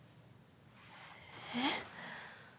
えっ？